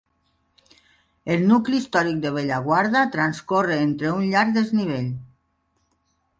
El nucli històric de Bellaguarda transcorre entre un llarg desnivell.